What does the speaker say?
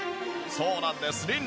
そうなんです。